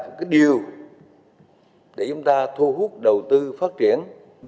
và đây chính là điều để chúng ta thu hút đầu tư phát triển